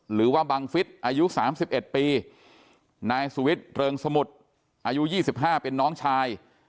หรือว่าบังฟิศอายุสามสิบเอ็ดปีนายสุวิทรเริงสมุทรอายุยี่สิบห้าเป็นน้องชาย